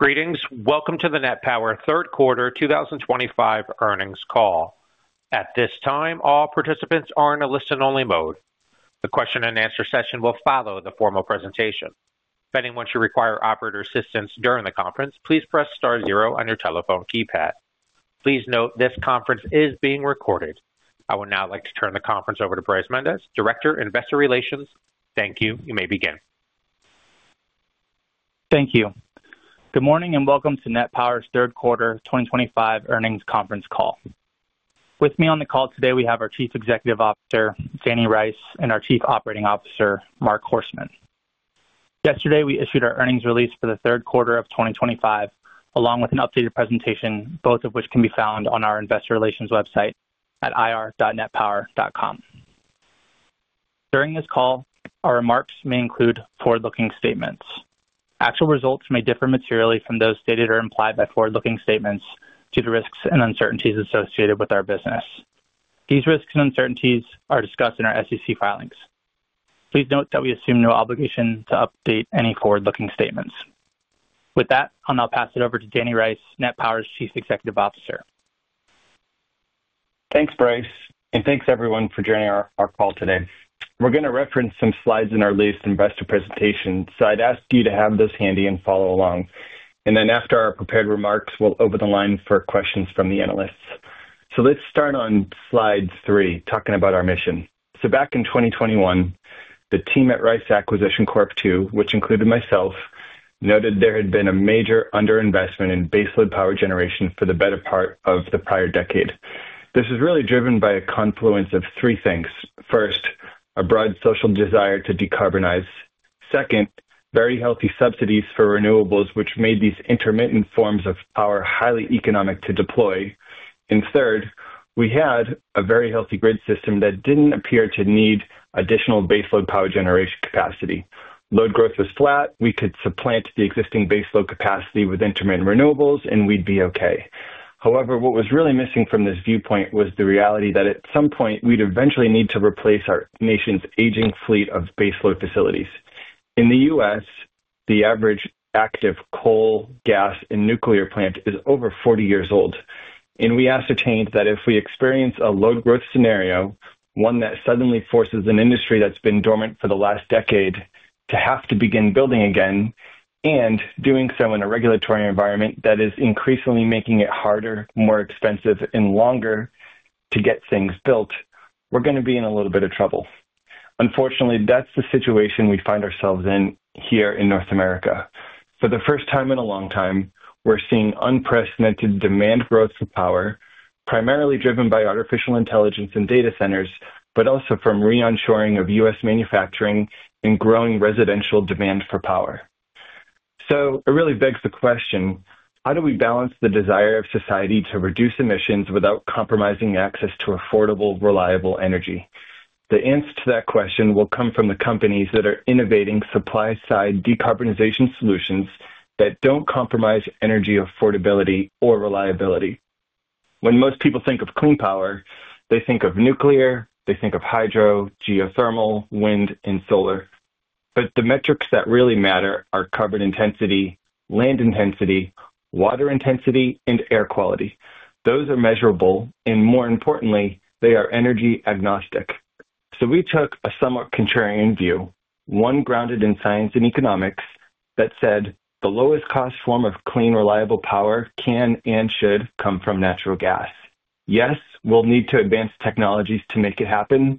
Greetings. Welcome to the NET Power third quarter 2025 earnings call. At this time, all participants are in a listen-only mode. The question-and-answer session will follow the formal presentation. If anyone should require operator assistance during the conference, please press star zero on your telephone keypad. Please note this conference is being recorded. I would now like to turn the conference over to Bryce Mendes, Director, Investor Relations. Thank you. You may begin. Thank you. Good morning and welcome to NET Power's third quarter 2025 earnings conference call. With me on the call today, we have our Chief Executive Officer, Danny Rice, and our Chief Operating Officer, Marc Horstman. Yesterday, we issued our earnings release for the third quarter of 2025, along with an updated presentation, both of which can be found on our Investor Relations website at ir.netpower.com. During this call, our remarks may include forward-looking statements. Actual results may differ materially from those stated or implied by forward-looking statements due to risks and uncertainties associated with our business. These risks and uncertainties are discussed in our SEC filings. Please note that we assume no obligation to update any forward-looking statements. With that, I'll now pass it over to Danny Rice, NET Power's Chief Executive Officer. Thanks, Bryce, and thanks, everyone, for joining our call today. We're going to reference some slides in our latest investor presentation, so I'd ask you to have those handy and follow along. After our prepared remarks, we'll open the line for questions from the analysts. Let's start on slide three, talking about our mission. Back in 2021, the team at Rice Acquisition Corp II, which included myself, noted there had been a major underinvestment in baseload power generation for the better part of the prior decade. This was really driven by a confluence of three things. First, a broad social desire to decarbonize. Second, very healthy subsidies for renewables, which made these intermittent forms of power highly economic to deploy. Third, we had a very healthy grid system that did not appear to need additional baseload power generation capacity. Load growth was flat. We could supplant the existing baseload capacity with intermittent renewables, and we'd be okay. However, what was really missing from this viewpoint was the reality that at some point, we'd eventually need to replace our nation's aging fleet of baseload facilities. In the U.S., the average active coal, gas, and nuclear plant is over 40 years old. And we ascertained that if we experience a load growth scenario, one that suddenly forces an industry that's been dormant for the last decade to have to begin building again, and doing so in a regulatory environment that is increasingly making it harder, more expensive, and longer to get things built, we're going to be in a little bit of trouble. Unfortunately, that's the situation we find ourselves in here in North America. For the first time in a long time, we're seeing unprecedented demand growth for power, primarily driven by Artificial Intelligence Data Centers, but also from re-onshoring of U.S. manufacturing and growing residential demand for power. It really begs the question, how do we balance the desire of society to reduce emissions without compromising access to affordable, reliable energy? The answer to that question will come from the companies that are innovating supply-side decarbonization solutions that do not compromise energy affordability or reliability. When most people think of clean power, they think of nuclear, they think of hydro, geothermal, wind, and solar. The metrics that really matter are carbon intensity, land intensity, water intensity, and air quality. Those are measurable, and more importantly, they are energy agnostic. We took a somewhat contrarian view, one grounded in science and economics, that said the lowest-cost form of clean, reliable power can and should come from natural gas. Yes, we'll need to advance technologies to make it happen,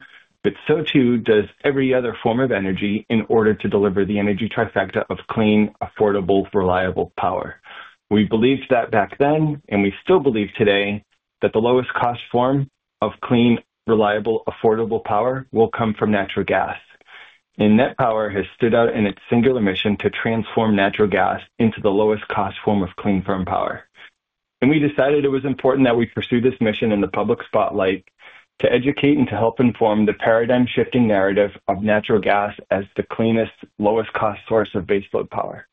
but so too does every other form of energy in order to deliver the energy trifecta of clean, affordable, reliable power. We believed that back then, and we still believe today, that the lowest-cost form of clean, reliable, affordable power will come from natural gas. NET Power has stood out in its singular mission to transform natural gas into the lowest-cost form of clean, firm power. We decided it was important that we pursue this mission in the public spotlight to educate and to help inform the paradigm-shifting narrative of natural gas as the cleanest, lowest-cost source of baseload power.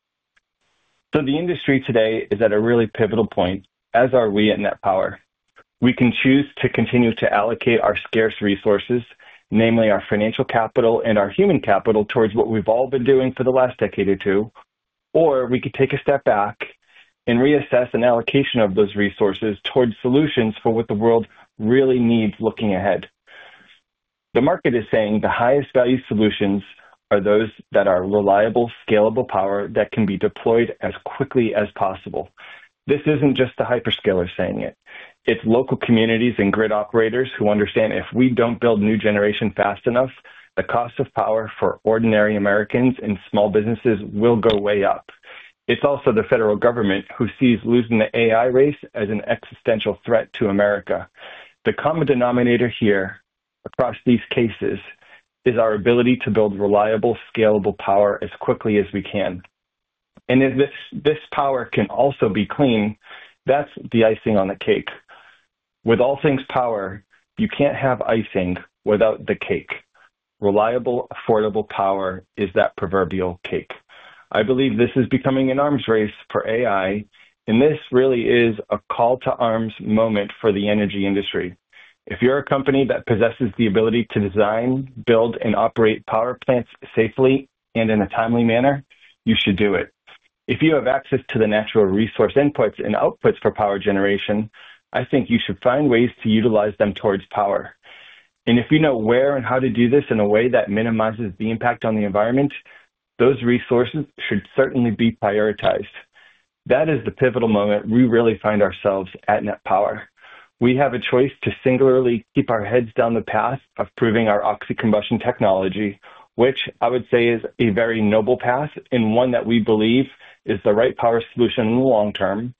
The industry today is at a really pivotal point, as are we at NET Power. We can choose to continue to allocate our scarce resources, namely our financial capital and our human capital, towards what we've all been doing for the last decade or two, or we could take a step back and reassess an allocation of those resources towards solutions for what the world really needs looking ahead. The market is saying the highest-value solutions are those that are reliable, scalable power that can be deployed as quickly as possible. This isn't just the hyperscalers saying it. It's local communities and grid operators who understand if we don't build new generation fast enough, the cost of power for ordinary Americans and small businesses will go way up. It's also the federal government who sees losing the AI race as an existential threat to America. The common denominator here across these cases is our ability to build reliable, scalable power as quickly as we can. If this power can also be clean, that's the icing on the cake. With all things power, you can't have icing without the cake. Reliable, affordable power is that proverbial cake. I believe this is becoming an arms race for AI, and this really is a call to arms moment for the energy industry. If you're a company that possesses the ability to design, build, and operate power plants safely and in a timely manner, you should do it. If you have access to the natural resource inputs and outputs for power generation, I think you should find ways to utilize them towards power. If you know where and how to do this in a way that minimizes the impact on the environment, those resources should certainly be prioritized. That is the pivotal moment we really find ourselves at NET Power. We have a choice to singularly keep our heads down the path of proving our oxycombustion technology, which I would say is a very noble path and one that we believe is the right power solution in the long term,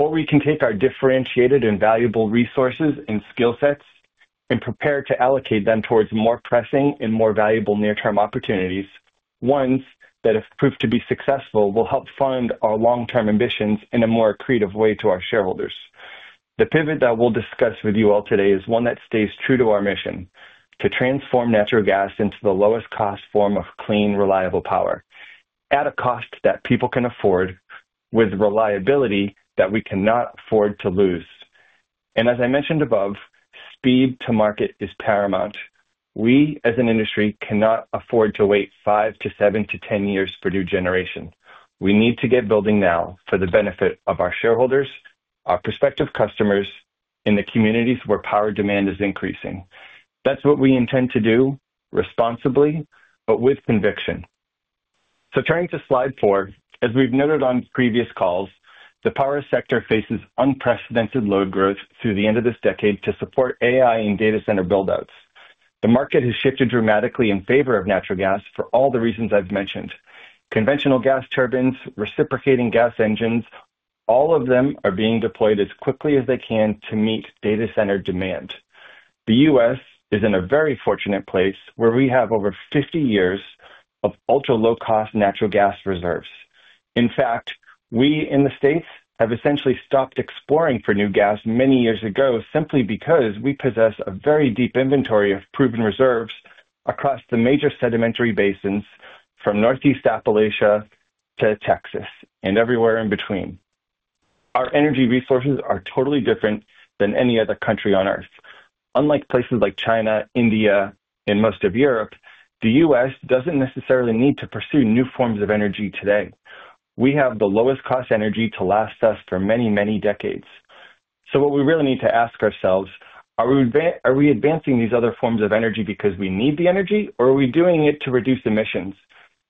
or we can take our differentiated and valuable resources and skill sets and prepare to allocate them towards more pressing and more valuable near-term opportunities, ones that, if proved to be successful, will help fund our long-term ambitions in a more creative way to our shareholders. The pivot that we'll discuss with you all today is one that stays true to our mission: to transform natural gas into the lowest-cost form of clean, reliable power at a cost that people can afford, with reliability that we cannot afford to lose. As I mentioned above, speed to market is paramount. We, as an industry, cannot afford to wait five to seven to 10 years for new generation. We need to get building now for the benefit of our shareholders, our prospective customers, and the communities where power demand is increasing. That is what we intend to do responsibly, but with conviction. Turning to slide four, as we've noted on previous calls, the power sector faces unprecedented load growth through the end of this decade to support AI and Data Center buildouts. The market has shifted dramatically in favor of natural gas for all the reasons I've mentioned. Conventional gas turbines, reciprocating gas engines, all of them are being deployed as quickly as they can to meet Data Center demand. The U.S. is in a very fortunate place where we have over 50 years of ultra-low-cost natural gas reserves. In fact, we in the States have essentially stopped exploring for new gas many years ago simply because we possess a very deep inventory of proven reserves across the major sedimentary basins from Northeast Appalachia to Texas and everywhere in between. Our energy resources are totally different than any other country on Earth. Unlike places like China, India, and most of Europe, the U.S. does not necessarily need to pursue new forms of energy today. We have the lowest-cost energy to last us for many, many decades. What we really need to ask ourselves is, are we advancing these other forms of energy because we need the energy, or are we doing it to reduce emissions?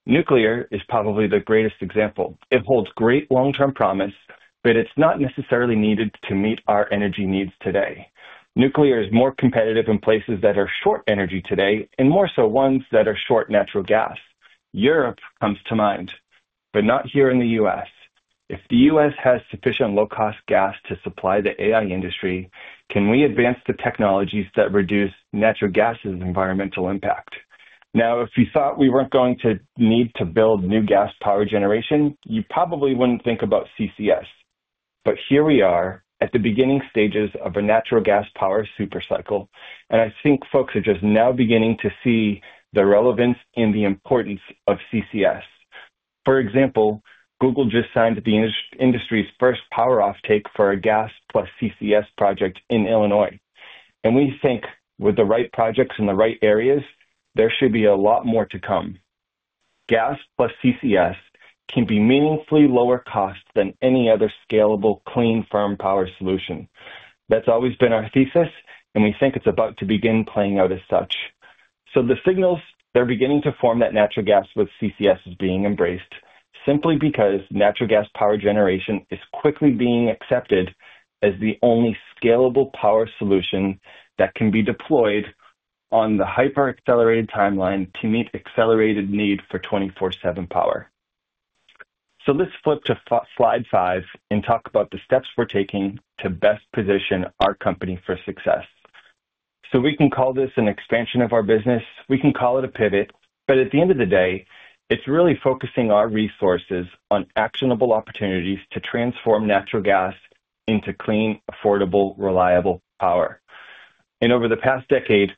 Nuclear is probably the greatest example. It holds great long-term promise, but it's not necessarily needed to meet our energy needs today. Nuclear is more competitive in places that are short energy today and more so ones that are short natural gas. Europe comes to mind, but not here in the U.S. If the U.S. has sufficient low-cost gas to supply the AI industry, can we advance the technologies that reduce natural gas's environmental impact? Now, if you thought we weren't going to need to build new gas power generation, you probably wouldn't think about CCS. Here we are at the beginning stages of a natural gas power supercycle, and I think folks are just now beginning to see the relevance and the importance of CCS. For example, Google just signed the industry's first power offtake for a gas plus CCS project in Illinois. We think with the right projects in the right areas, there should be a lot more to come. Gas plus CCS can be meaningfully lower cost than any other scalable, clean, firm power solution. That's always been our thesis, and we think it's about to begin playing out as such. The signals are beginning to form that natural gas with CCS is being embraced simply because natural gas power generation is quickly being accepted as the only scalable power solution that can be deployed on the hyper-accelerated timeline to meet accelerated need for 24/7 power. Let's flip to slide five and talk about the steps we're taking to best position our company for success. We can call this an expansion of our business. We can call it a pivot, but at the end of the day, it's really focusing our resources on actionable opportunities to transform natural gas into clean, affordable, reliable power. Over the past decade,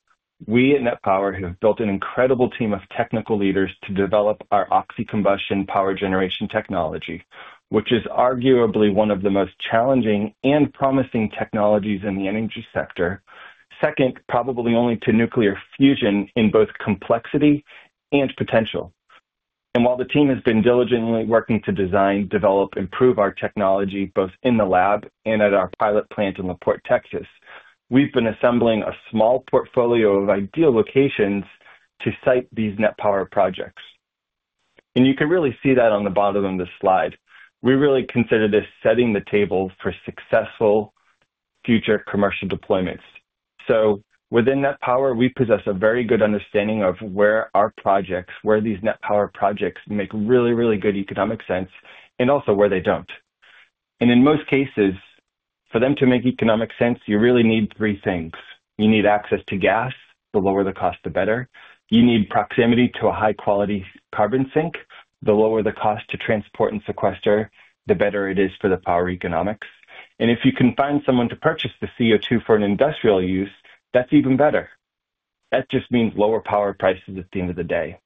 we at NET Power have built an incredible team of technical leaders to develop our oxycombustion power generation technology, which is arguably one of the most challenging and promising technologies in the energy sector, second probably only to nuclear fusion in both complexity and potential. While the team has been diligently working to design, develop, improve our technology both in the lab and at our pilot plant in La Porte, Texas, we have been assembling a small portfolio of ideal locations to site these NET Power projects. You can really see that on the bottom of this slide. We really consider this setting the table for successful future commercial deployments. Within NET Power, we possess a very good understanding of where our projects, where these NET Power projects make really, really good economic sense, and also where they do not. In most cases, for them to make economic sense, you really need three things. You need access to gas, the lower the cost, the better. You need proximity to a high-quality carbon sink, the lower the cost to transport and sequester, the better it is for the power economics. If you can find someone to purchase the CO2 for industrial use, that's even better. That just means lower power prices at the end of the day.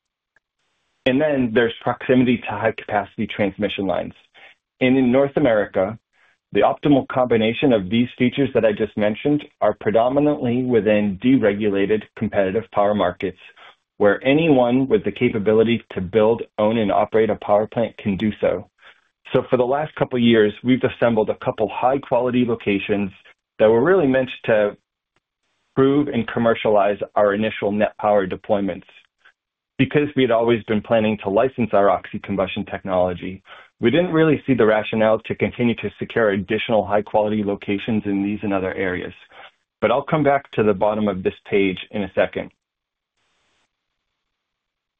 There is proximity to high-capacity transmission lines. In North America, the optimal combination of these features that I just mentioned are predominantly within deregulated competitive power markets, where anyone with the capability to build, own, and operate a power plant can do so. For the last couple of years, we've assembled a couple of high-quality locations that were really meant to prove and commercialize our initial NET Power deployments. Because we had always been planning to license our oxycombustion technology, we did not really see the rationale to continue to secure additional high-quality locations in these and other areas. I'll come back to the bottom of this page in a second.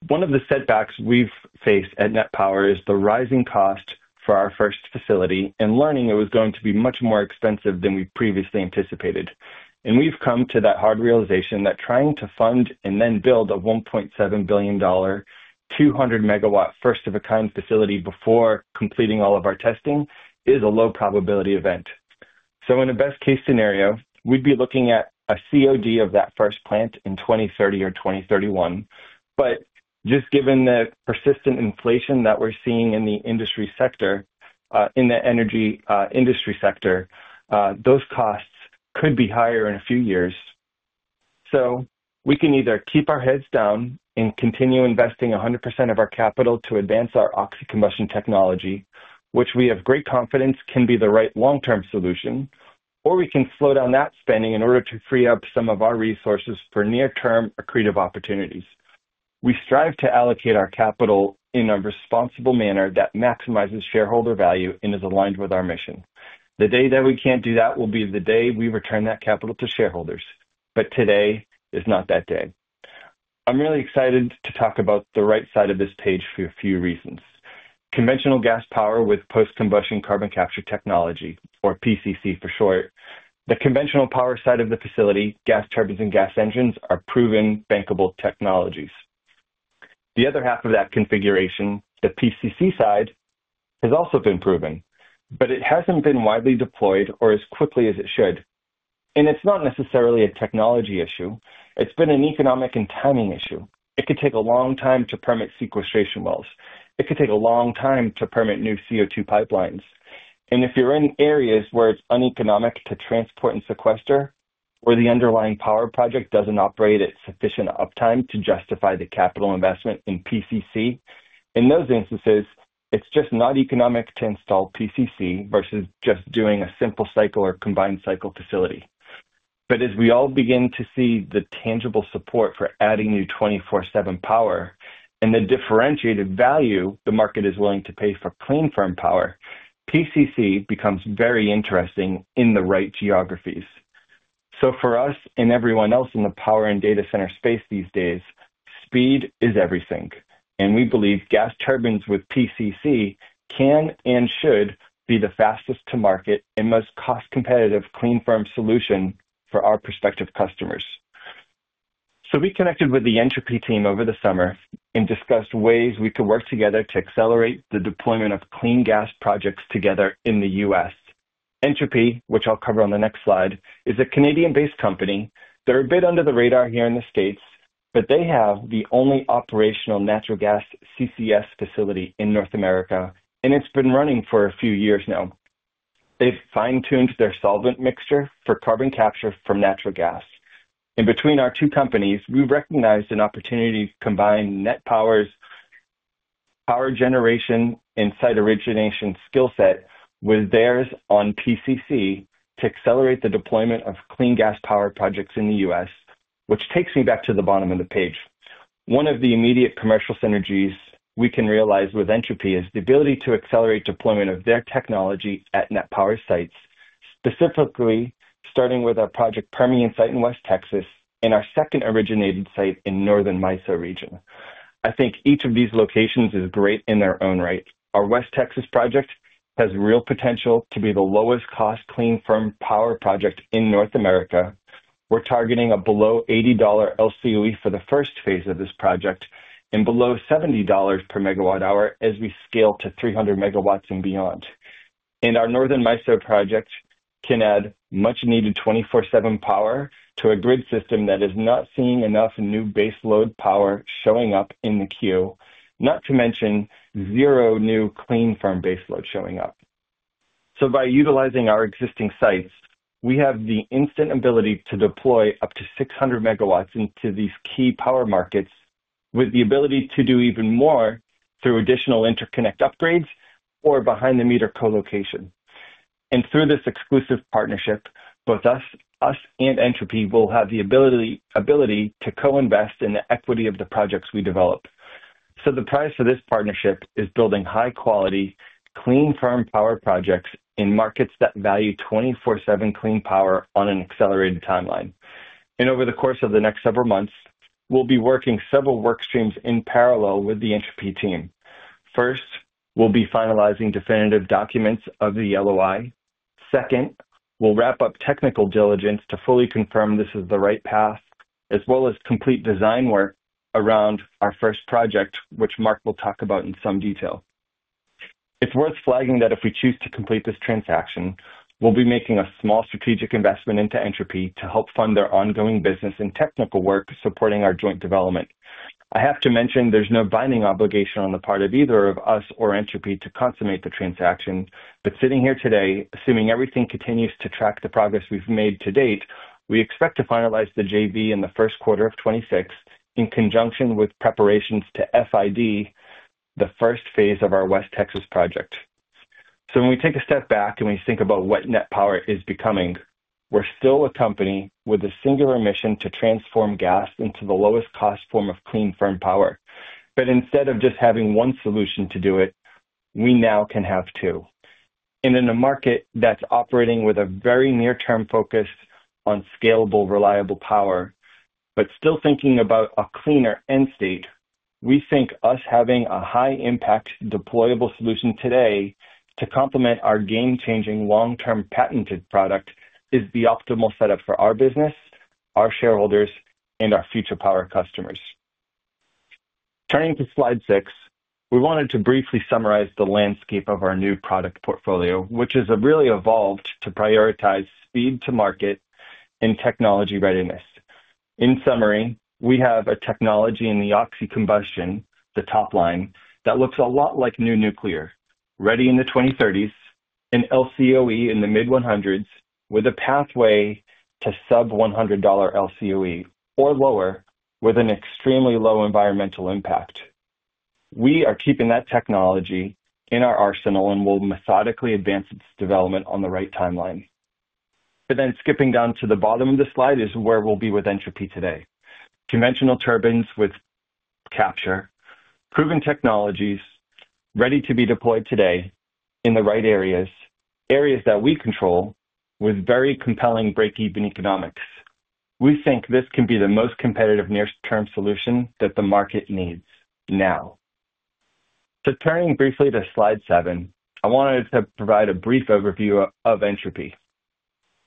One of the setbacks we've faced at NET Power is the rising cost for our first facility and learning it was going to be much more expensive than we previously anticipated. We've come to that hard realization that trying to fund and then build a $1.7 billion, 200 MW first-of-a-kind facility before completing all of our testing is a low-probability event. In a best-case scenario, we'd be looking at a COD of that first plant in 2030 or 2031. Given the persistent inflation that we're seeing in the energy industry sector, those costs could be higher in a few years. We can either keep our heads down and continue investing 100% of our capital to advance our oxycombustion technology, which we have great confidence can be the right long-term solution, or we can slow down that spending in order to free up some of our resources for near-term accretive opportunities. We strive to allocate our capital in a responsible manner that maximizes shareholder value and is aligned with our mission. The day that we can't do that will be the day we return that capital to shareholders. Today is not that day. I'm really excited to talk about the right side of this page for a few reasons. Conventional gas power with Post-Combustion Carbon Capture technology, or PCC for short, the conventional power side of the facility, gas turbines and gas engines, are proven bankable technologies. The other half of that configuration, the PCC side, has also been proven, but it has not been widely deployed or as quickly as it should. It is not necessarily a technology issue. It has been an economic and timing issue. It could take a long time to permit sequestration wells. It could take a long time to permit new CO2 pipelines. If you are in areas where it is uneconomic to transport and sequester, where the underlying power project does not operate at sufficient uptime to justify the capital investment in PCC, in those instances, it is just not economic to install PCC versus just doing a simple cycle or combined cycle facility. As we all begin to see the tangible support for adding new 24/7 power and the differentiated value the market is willing to pay for clean, firm power, PCC becomes very interesting in the right geographies. For us and everyone else in the power and Data Center space these days, speed is everything. We believe gas turbines with PCC can and should be the fastest-to-market and most cost-competitive clean, firm solution for our prospective customers. We connected with the Entropy team over the summer and discussed ways we could work together to accelerate the deployment of clean gas projects together in the U.S. Entropy, which I'll cover on the next slide, is a Canadian-based company. They're a bit under the radar here in the States, but they have the only operational natural gas CCS facility in North America, and it's been running for a few years now. They've fine-tuned their solvent mixture for carbon capture from natural gas. Between our two companies, we recognized an opportunity to combine NET Power's power generation and site origination skill set with theirs on PCC to accelerate the deployment of clean gas power projects in the U.S., which takes me back to the bottom of the page. One of the immediate commercial synergies we can realize with Entropy is the ability to accelerate deployment of their technology at NET Power sites, specifically starting with our Project Permian site in West Texas and our second originated site in Northern MISO region. I think each of these locations is great in their own right. Our West Texas project has real potential to be the lowest-cost clean, firm power project in North America. We are targeting a below $80 LCOE for the first phase of this project and below $70 per MWh as we scale to 300 MW and beyond. Our northern MISO project can add much-needed 24/7 power to a grid system that is not seeing enough new baseload power showing up in the queue, not to mention zero new clean, firm baseload showing up. By utilizing our existing sites, we have the instant ability to deploy up to 600 MW into these key power markets with the ability to do even more through additional interconnect upgrades or behind-the-meter co-location. Through this exclusive partnership, both us and Entropy will have the ability to co-invest in the equity of the projects we develop. The prize for this partnership is building high-quality, clean, firm power projects in markets that value 24/7 clean power on an accelerated timeline. Over the course of the next several months, we will be working several work streams in parallel with the Entropy team. First, we will be finalizing definitive documents of the LOI. Second, we'll wrap up technical diligence to fully confirm this is the right path, as well as complete design work around our first project, which Marc will talk about in some detail. It's worth flagging that if we choose to complete this transaction, we'll be making a small strategic investment into Entropy to help fund their ongoing business and technical work supporting our joint development. I have to mention there's no binding obligation on the part of either of us or Entropy to consummate the transaction. Sitting here today, assuming everything continues to track the progress we've made to date, we expect to finalize the JV in the first quarter of 2026 in conjunction with preparations to FID the first phase of our West Texas project. When we take a step back and we think about what NET Power is becoming, we're still a company with a singular mission to transform gas into the lowest-cost form of clean, firm power. Instead of just having one solution to do it, we now can have two. In a market that's operating with a very near-term focus on scalable, reliable power, but still thinking about a cleaner end state, we think us having a high-impact deployable solution today to complement our game-changing long-term patented product is the optimal setup for our business, our shareholders, and our future power customers. Turning to slide six, we wanted to briefly summarize the landscape of our new product portfolio, which has really evolved to prioritize speed to market and technology readiness. In summary, we have a technology in the oxycombustion, the top line, that looks a lot like new nuclear, ready in the 2030s, an LCOE in the mid-100s with a pathway to sub-$100 LCOE or lower with an extremely low environmental impact. We are keeping that technology in our arsenal and will methodically advance its development on the right timeline. Skipping down to the bottom of the slide is where we will be with Entropy today. Conventional turbines with capture, proven technologies, ready to be deployed today in the right areas, areas that we control with very compelling break-even economics. We think this can be the most competitive near-term solution that the market needs now. Turning briefly to slide seven, I wanted to provide a brief overview of Entropy.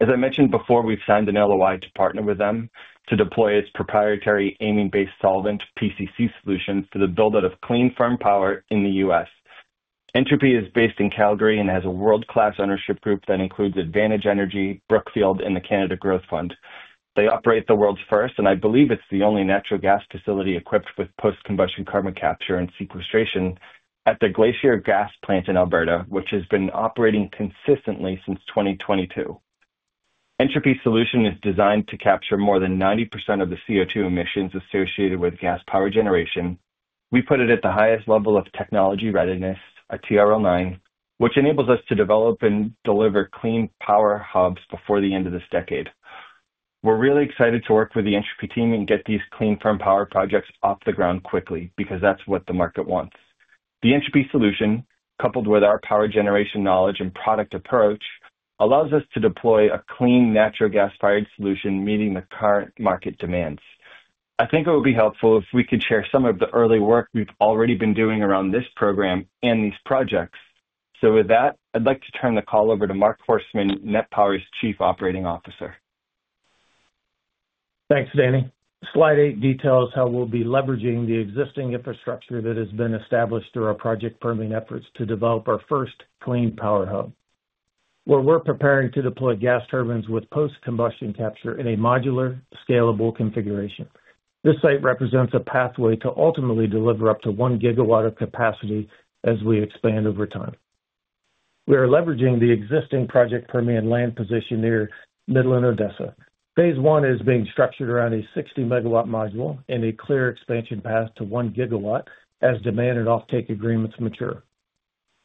As I mentioned before, we've signed an LOI to partner with them to deploy its proprietary amine-based solvent, PCC solutions, to the build-out of clean, firm power in the U.S. Entropy is based in Calgary and has a world-class ownership group that includes Advantage Energy, Brookfield, and the Canada Growth Fund. They operate the world's first, and I believe it's the only natural gas facility equipped with Cost-Combustion Carbon Capture and sequestration at the Glacier Gas Plant in Alberta, which has been operating consistently since 2022. Entropy's solution is designed to capture more than 90% of the CO2 emissions associated with gas power generation. We put it at the highest level of technology readiness, a TRL9, which enables us to develop and deliver clean power hubs before the end of this decade. We're really excited to work with the Entropy team and get these clean, firm power projects off the ground quickly because that's what the market wants. The Entropy solution, coupled with our power generation knowledge and product approach, allows us to deploy a clean natural gas-fired solution meeting the current market demands. I think it would be helpful if we could share some of the early work we've already been doing around this program and these projects. With that, I'd like to turn the call over to Marc Horstman, NET Power's Chief Operating Officer. Thanks, Danny. Slide eight details how we'll be leveraging the existing infrastructure that has been established through our project permitting efforts to develop our first clean power hub, where we're preparing to deploy gas turbines with post-combustion capture in a modular, scalable configuration. This site represents a pathway to ultimately deliver up to 1 GW of capacity as we expand over time. We are leveraging the existing project permit and land position near Midland-Odessa. Phase one is being structured around a 60 MW module and a clear expansion path to 1 GW as demand and offtake agreements mature.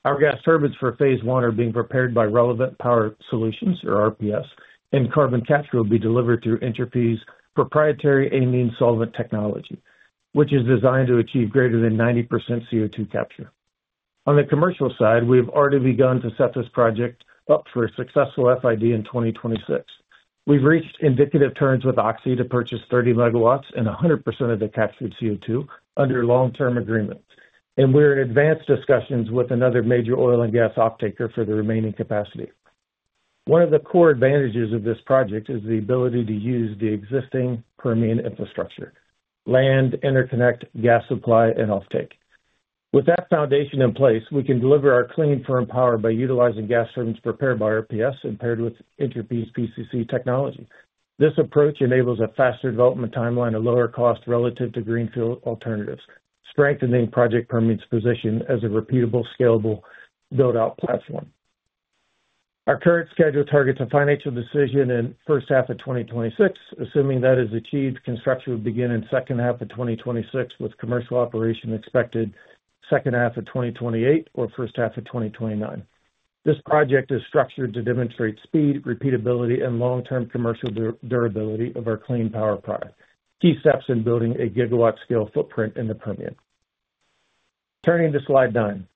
Our gas turbines for phase one are being prepared by Relevant Power Solutions, or RPS, and carbon capture will be delivered through Entropy's proprietary amine solvent technology, which is designed to achieve greater than 90% CO2 capture. On the commercial side, we have already begun to set this project up for a successful FID in 2026. We have reached indicative turns with Oxy to purchase 30 MW and 100% of the captured CO2 under long-term agreements. We are in advanced discussions with another major oil and gas offtaker for the remaining capacity. One of the core advantages of this project is the ability to use the existing permitting infrastructure: land, interconnect, gas supply, and offtake. With that foundation in place, we can deliver our clean, firm power by utilizing gas turbines prepared by RPS and paired with Entropy's PCC technology. This approach enables a faster development timeline and lower cost relative to greenfield alternatives, strengthening the project's position as a repeatable, scalable build-out platform. Our current schedule targets a financial decision in the first half of 2026. Assuming that is achieved, construction would begin in the second half of 2026, with commercial operation expected in the second half of 2028 or first half of 2029. This project is structured to demonstrate speed, repeatability, and long-term commercial durability of our clean power product, key steps in building a GW-scale footprint in the Permian. Turning to slide nine,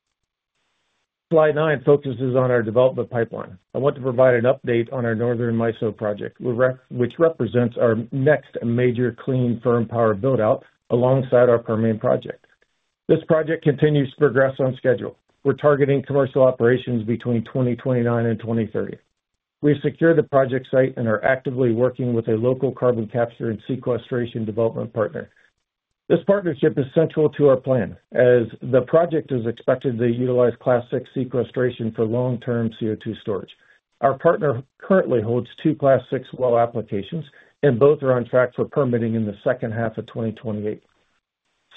slide nine focuses on our development pipeline. I want to provide an update on our Northern MISO project, which represents our next major clean, firm power build-out alongside our Permian project. This project continues to progress on schedule. We're targeting commercial operations between 2029 and 2030. We've secured the project site and are actively working with a local carbon capture and sequestration development partner. This partnership is central to our plan, as the project is expected to utilize Class six sequestration for long-term CO2 storage. Our partner currently holds two Class six well applications, and both are on track for permitting in the second half of 2028.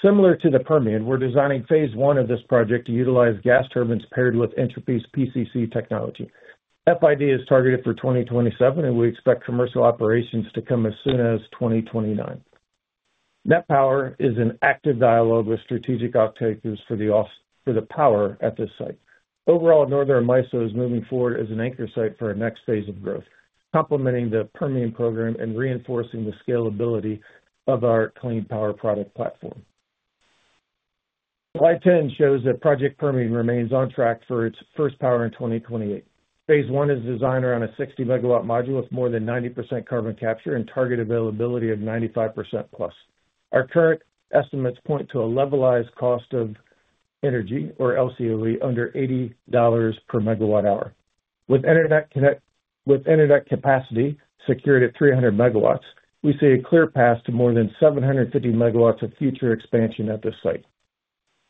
Similar to the Permian, we're designing phase one of this project to utilize gas turbines paired with Entropy's PCC technology. FID is targeted for 2027, and we expect commercial operations to come as soon as 2029. NET Power is in active dialogue with strategic offtakers for the power at this site. Overall, Northern MISO is moving forward as an anchor site for our next phase of growth, complementing the permitting program and reinforcing the scalability of our clean power product platform. Slide 10 shows that project permitting remains on track for its first power in 2028. Phase one is designed around a 60 MW module with more than 90% carbon capture and target availability of 95% plus. Our current estimates point to a levelized cost of energy, or LCOE, under $80 per MWh. With interconnect capacity secured at 300 MW, we see a clear path to more than 750 MW of future expansion at this site.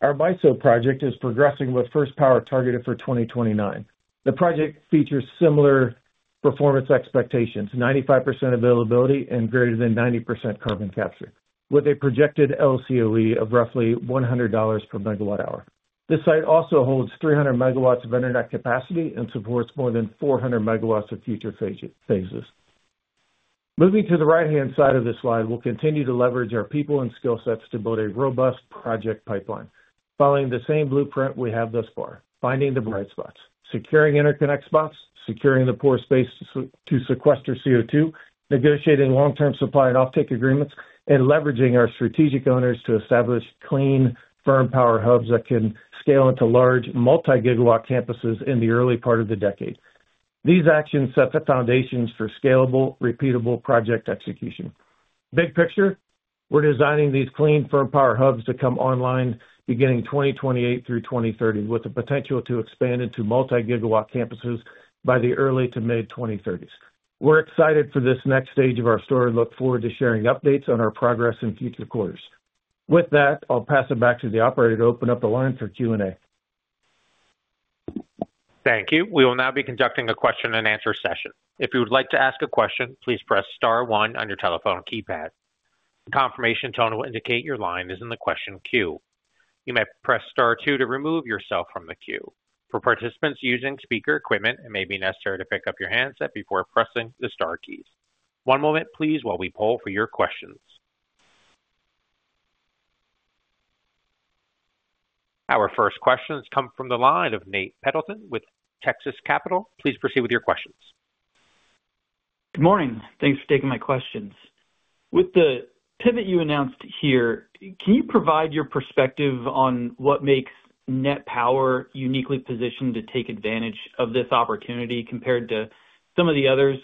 Our MISO project is progressing with first power targeted for 2029. The project features similar performance expectations: 95% availability and greater than 90% carbon capture, with a projected LCOE of roughly $100 per MWh. This site also holds 300 MW of internet capacity and supports more than 400 MW of future phases. Moving to the right-hand side of this slide, we'll continue to leverage our people and skill sets to build a robust project pipeline. Following the same blueprint we have thus far, finding the bright spots, securing interconnect spots, securing the pore space to sequester CO2, negotiating long-term supply and offtake agreements, and leveraging our strategic owners to establish clean, firm power hubs that can scale into large multi-gigawatt campuses in the early part of the decade. These actions set the foundations for scalable, repeatable project execution. Big picture, we're designing these clean, firm power hubs to come online beginning 2028 through 2030, with the potential to expand into multi-gigawatt campuses by the early to mid-2030s. We're excited for this next stage of our story and look forward to sharing updates on our progress in future quarters. With that, I'll pass it back to the operator to open up the line for Q&A. Thank you. We will now be conducting a question-and-answer session. If you would like to ask a question, please press star one on your telephone keypad. The confirmation tone will indicate your line is in the question queue. You may press star two to remove yourself from the queue. For participants using speaker equipment, it may be necessary to pick up your handset before pressing the star keys. One moment, please, while we poll for your questions. Our first questions come from the line of Nate Pendleton with Texas Capital. Please proceed with your questions. Good morning. Thanks for taking my questions. With the pivot you announced here, can you provide your perspective on what makes NET Power uniquely positioned to take advantage of this opportunity compared to some of the others,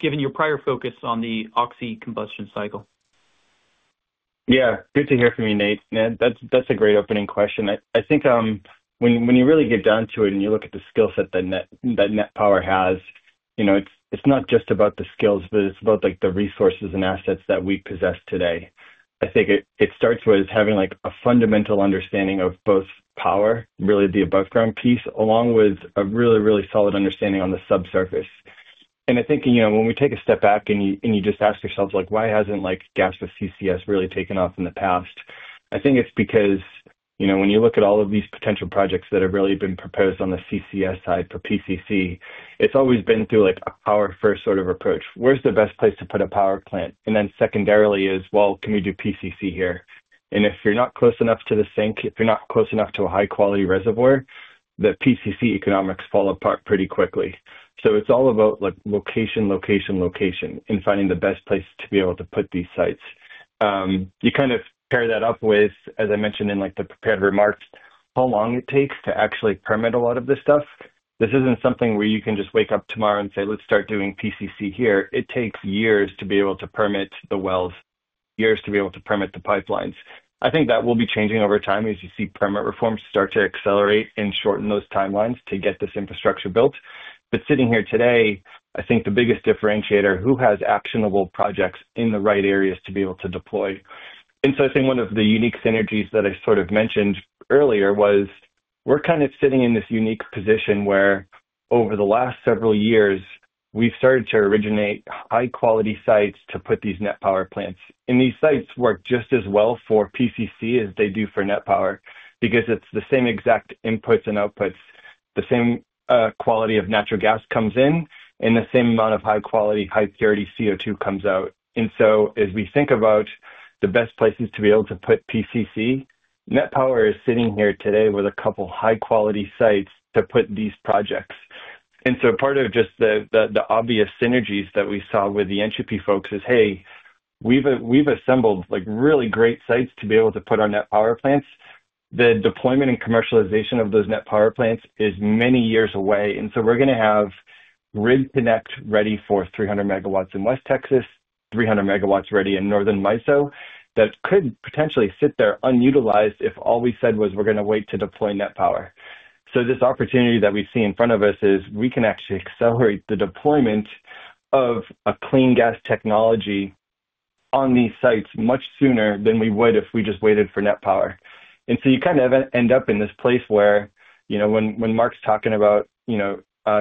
given your prior focus on the oxycombustion cycle? Yeah, good to hear from you, Nate. That's a great opening question. I think when you really get down to it and you look at the skill set that NET Power has, it's not just about the skills, but it's about the resources and assets that we possess today. I think it starts with having a fundamental understanding of both power, really the above-ground piece, along with a really, really solid understanding on the subsurface. I think when we take a step back and you just ask yourself, like, why hasn't gas with CCS really taken off in the past? I think it's because when you look at all of these potential projects that have really been proposed on the CCS side for PCC, it's always been through a power-first sort of approach. Where's the best place to put a power plant? And then secondarily is, well, can we do PCC here? If you're not close enough to the sink, if you're not close enough to a high-quality reservoir, the PCC economics fall apart pretty quickly. It's all about location, location, location and finding the best place to be able to put these sites. You kind of pair that up with, as I mentioned in the prepared remarks, how long it takes to actually permit a lot of this stuff. This isn't something where you can just wake up tomorrow and say, let's start doing PCC here. It takes years to be able to permit the wells, years to be able to permit the pipelines. I think that will be changing over time as you see permit reforms start to accelerate and shorten those timelines to get this infrastructure built. Sitting here today, I think the biggest differentiator is who has actionable projects in the right areas to be able to deploy. I think one of the unique synergies that I sort of mentioned earlier was we're kind of sitting in this unique position where over the last several years, we've started to originate high-quality sites to put these NET Power plants. These sites work just as well for PCC as they do for NET Power because it's the same exact inputs and outputs. The same quality of natural gas comes in, and the same amount of high-quality, high-purity CO2 comes out. As we think about the best places to be able to put PCC, NET Power is sitting here today with a couple of high-quality sites to put these projects. Part of just the obvious synergies that we saw with the Entropy folks is, hey, we've assembled really great sites to be able to put our NET Power plants. The deployment and commercialization of those NET Power plants is many years away. We're going to have GRID Connect ready for 300 MW in West Texas, 300 MW ready in Northern MISO that could potentially sit there unutilized if all we said was we're going to wait to deploy NET Power. This opportunity that we see in front of us is we can actually accelerate the deployment of a clean gas technology on these sites much sooner than we would if we just waited for NET Power. You kind of end up in this place where when Marc's talking about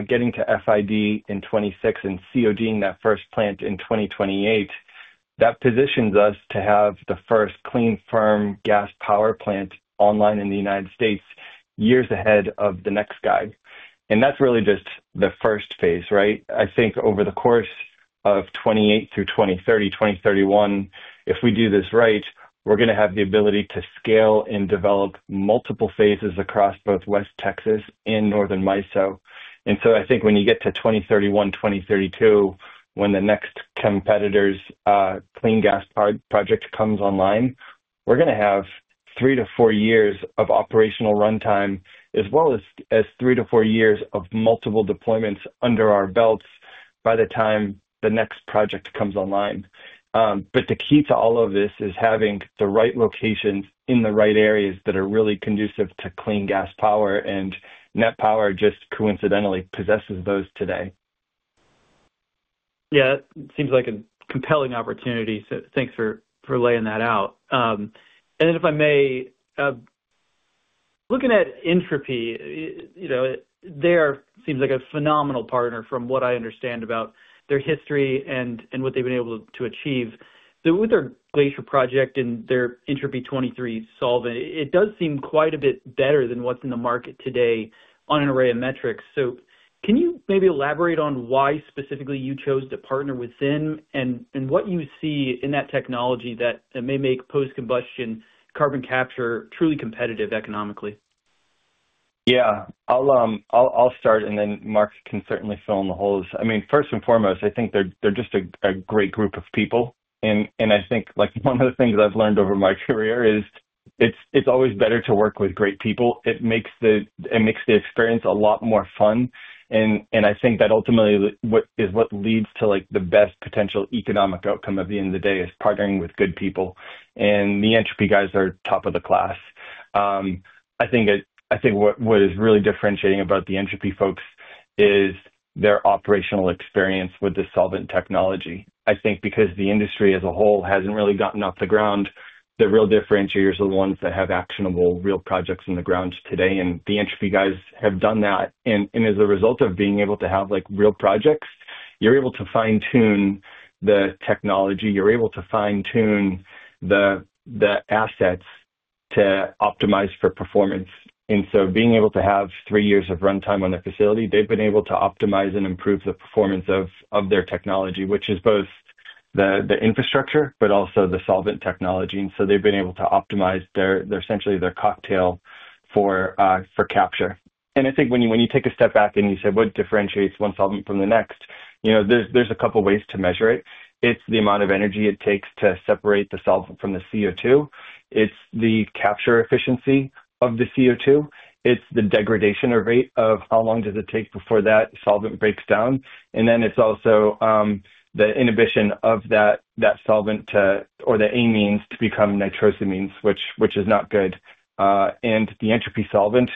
getting to FID in 2026 and CODing that first plant in 2028, that positions us to have the first clean, firm gas power plant online in the United States years ahead of the next guide. That is really just the first phase, right? I think over the course of 2028 through 2030, 2031, if we do this right, we are going to have the ability to scale and develop multiple phases across both West Texas and Northern MISO. I think when you get to 2031, 2032, when the next competitor's clean gas project comes online, we're going to have three to four years of operational runtime, as well as three to four years of multiple deployments under our belts by the time the next project comes online. The key to all of this is having the right locations in the right areas that are really conducive to clean gas power. NET Power just coincidentally possesses those today. It seems like a compelling opportunity. Thanks for laying that out. If I may, looking at Entropy, they seem like a phenomenal partner from what I understand about their history and what they've been able to achieve. With their Glacier project and their Entropy 23 solvent, it does seem quite a bit better than what's in the market today on an array of metrics. Can you maybe elaborate on why specifically you chose to partner with them and what you see in that technology that may make Post-Combustion Carbon Capture truly competitive economically? Yeah, I'll start, and then Marc can certainly fill in the holes. I mean, first and foremost, I think they're just a great group of people. I think one of the things I've learned over my career is it's always better to work with great people. It makes the experience a lot more fun. I think that ultimately is what leads to the best potential economic outcome at the end of the day is partnering with good people. The Entropy guys are top of the class. I think what is really differentiating about the Entropy folks is their operational experience with the solvent technology. I think because the industry as a whole has not really gotten off the ground, the real differentiators are the ones that have actionable real projects on the ground today. The Entropy guys have done that. As a result of being able to have real projects, you are able to fine-tune the technology. You are able to fine-tune the assets to optimize for performance. Being able to have three years of runtime on the facility, they have been able to optimize and improve the performance of their technology, which is both the infrastructure but also the solvent technology. They have been able to optimize essentially their cocktail for capture. I think when you take a step back and you say, what differentiates one solvent from the next, there's a couple of ways to measure it. It's the amount of energy it takes to separate the solvent from the CO2. It's the capture efficiency of the CO2. It's the degradation rate of how long does it take before that solvent breaks down. It's also the inhibition of that solvent or the amines to become nitrosamines, which is not good. The Entropy solvent,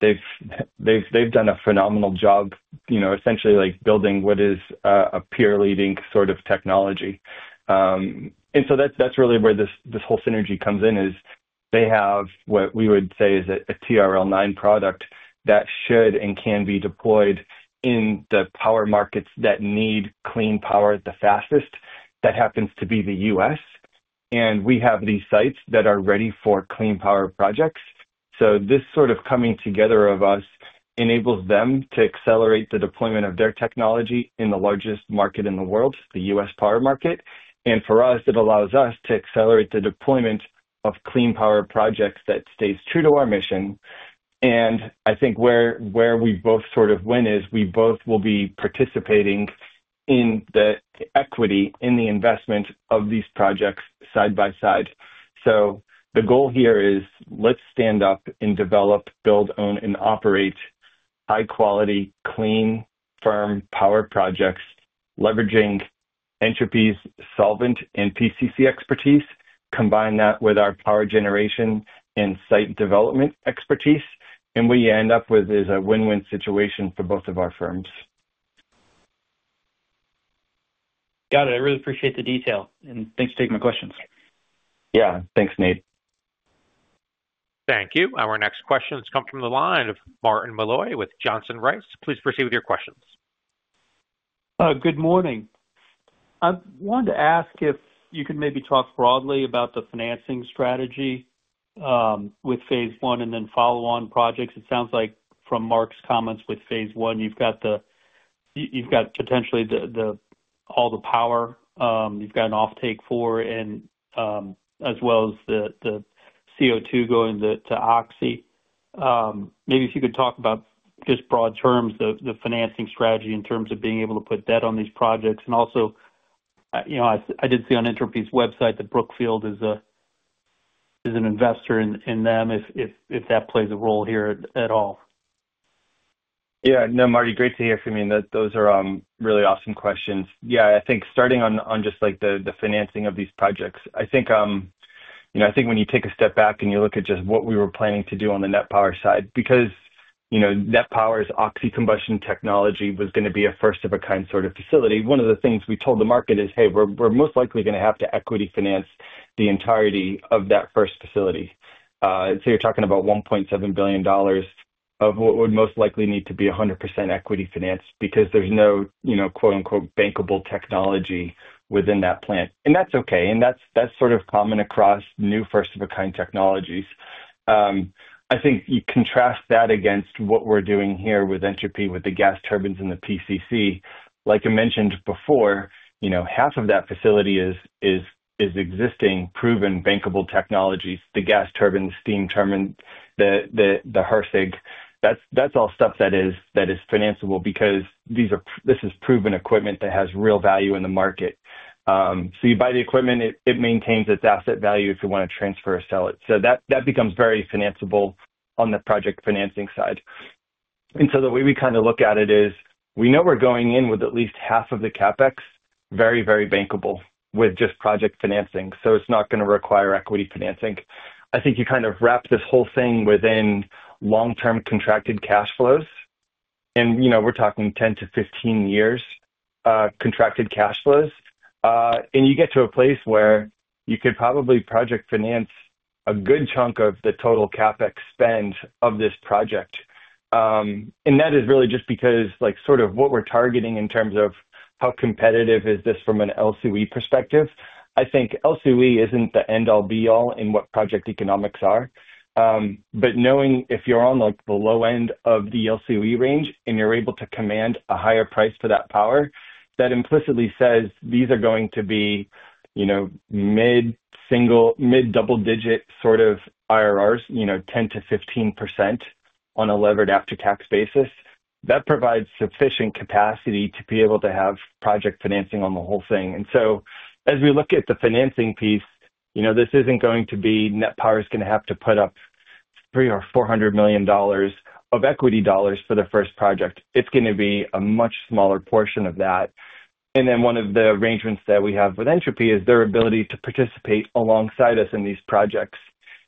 they've done a phenomenal job essentially building what is a peer-leading sort of technology. That's really where this whole synergy comes in, is they have what we would say is a TRL9 product that should and can be deployed in the power markets that need clean power the fastest. That happens to be the U.S. We have these sites that are ready for clean power projects. This sort of coming together of us enables them to accelerate the deployment of their technology in the largest market in the world, the U.S. power market. For us, it allows us to accelerate the deployment of clean power projects that stays true to our mission. I think where we both sort of win is we both will be participating in the equity, in the investment of these projects side by side. The goal here is let's stand up and develop, build, own, and operate high-quality, clean, firm power projects leveraging Entropy's solvent and PCC expertise, combine that with our power generation and site development expertise. What you end up with is a win-win situation for both of our firms. Got it. I really appreciate the detail. Thanks for taking my questions. Yeah, thanks, Nate. Thank you. Our next question has come from the line of Martin Malloy with Johnson Rice. Please proceed with your questions. Good morning. I wanted to ask if you could maybe talk broadly about the financing strategy with phase one and then follow-on projects. It sounds like from Marc's comments with phase one, you've got potentially all the power. You've got an offtake for it, as well as the CO2 going to Oxy. Maybe if you could talk about, just broad terms, the financing strategy in terms of being able to put debt on these projects. Also, I did see on Entropy's website that Brookfield is an investor in them, if that plays a role here at all. Yeah, no, Marty, great to hear from you. Those are really awesome questions. Yeah, I think starting on just the financing of these projects, I think when you take a step back and you look at just what we were planning to do on the NET Power side, because NET Power's oxycombustion technology was going to be a first-of-a-kind sort of facility, one of the things we told the market is, hey, we're most likely going to have to equity finance the entirety of that first facility. So you're talking about $1.7 billion of what would most likely need to be 100% equity financed because there's no "bankable technology" within that plant. And that's okay. That's sort of common across new first-of-a-kind technologies. I think you contrast that against what we're doing here with Entropy, with the gas turbines and the PCC. Like I mentioned before, half of that facility is existing, proven bankable technologies. The gas turbines, steam turbines, the HRSG, that's all stuff that is financeable because this is proven equipment that has real value in the market. You buy the equipment, it maintains its asset value if you want to transfer or sell it. That becomes very financeable on the project financing side. The way we kind of look at it is we know we're going in with at least half of the CapEx very, very bankable with just project financing. It's not going to require equity financing. I think you kind of wrap this whole thing within long-term contracted cash flows. We're talking 10-15 years contracted cash flows. You get to a place where you could probably project finance a good chunk of the total CapEx spend of this project. That is really just because sort of what we're targeting in terms of how competitive is this from an LCW perspective. I think LCW isn't the end-all, be-all in what project economics are. Knowing if you're on the low end of the LCW range and you're able to command a higher price for that power, that implicitly says these are going to be mid-single, mid-double-digit sort of IRRs, 10%-15% on a levered after-tax basis. That provides sufficient capacity to be able to have project financing on the whole thing. As we look at the financing piece, this isn't going to be NET Power's going to have to put up $300 million or $400 million of equity dollars for the first project. It's going to be a much smaller portion of that. One of the arrangements that we have with Entropy is their ability to participate alongside us in these projects.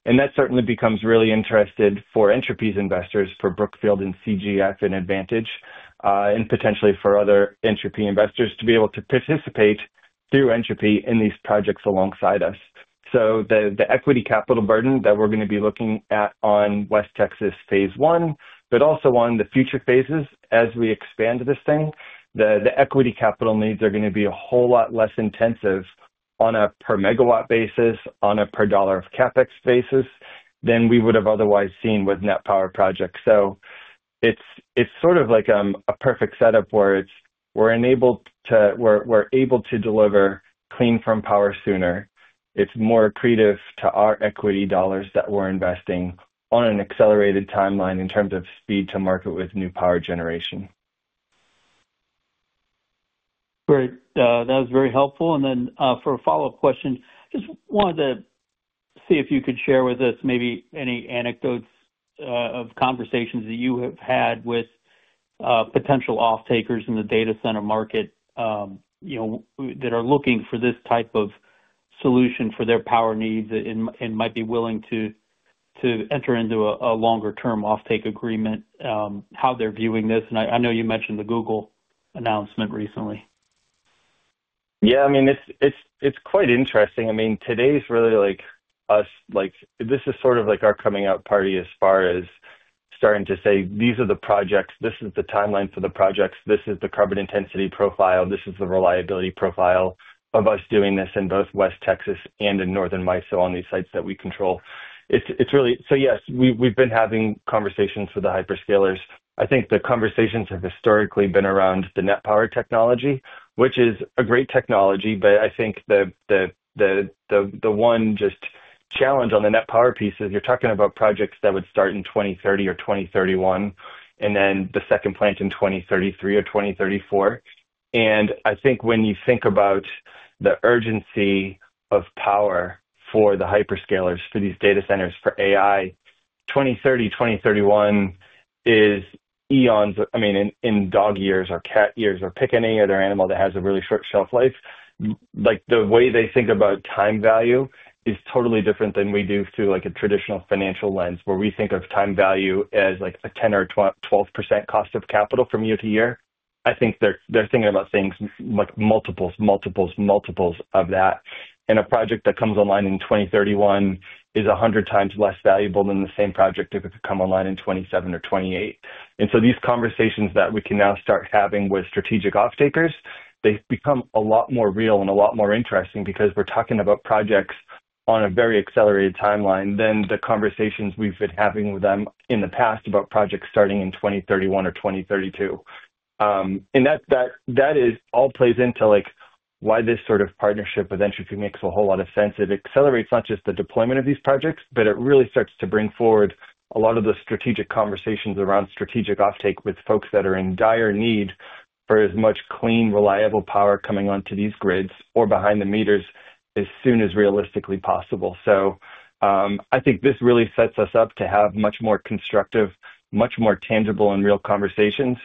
That certainly becomes really interesting for Entropy's investors, for Brookfield and CGF in Advantage, and potentially for other Entropy investors to be able to participate through Entropy in these projects alongside us. The equity capital burden that we're going to be looking at on West Texas phase one, but also on the future phases as we expand this thing, the equity capital needs are going to be a whole lot less intensive on a per MW basis, on a per-dollar of CapEx basis than we would have otherwise seen with NET Power projects. It is sort of like a perfect setup where we're able to deliver clean from power sooner. It's more accretive to our equity dollars that we're investing on an accelerated timeline in terms of speed to market with new power generation. Great. That was very helpful. For a follow-up question, just wanted to see if you could share with us maybe any anecdotes of conversations that you have had with potential off-takers in the Data Center market that are looking for this type of solution for their power needs and might be willing to enter into a longer-term off-take agreement, how they're viewing this. I know you mentioned the Google announcement recently. Yeah, I mean, it's quite interesting. I mean, today's really us. This is sort of like our coming out party as far as starting to say, these are the projects. This is the timeline for the projects. This is the carbon intensity profile. This is the reliability profile of us doing this in both West Texas and in Northern MISO on these sites that we control. Yes, we've been having conversations with the hyperscalers. I think the conversations have historically been around the NET Power technology, which is a great technology, but I think the one just challenge on the NET Power piece is you're talking about projects that would start in 2030 or 2031, and then the second plant in 2033 or 2034. I think when you think about the urgency of power for the hyperscalers, for Data Centers, for AI, 2030, 2031 is eons in dog years or cat years or pick any other animal that has a really short shelf life. The way they think about time value is totally different than we do through a traditional financial lens where we think of time value as a 10% or 12% cost of capital from year to year. I think they're thinking about things like multiples, multiples of that. A project that comes online in 2031 is 100x less valuable than the same project if it could come online in 2027 or 2028. These conversations that we can now start having with strategic off-takers become a lot more real and a lot more interesting because we're talking about projects on a very accelerated timeline than the conversations we've been having with them in the past about projects starting in 2031 or 2032. That all plays into why this sort of partnership with Entropy makes a whole lot of sense. It accelerates not just the deployment of these projects, but it really starts to bring forward a lot of the strategic conversations around strategic off-take with folks that are in dire need for as much clean, reliable power coming onto these grids or behind the meters as soon as realistically possible. I think this really sets us up to have much more constructive, much more tangible and real conversations.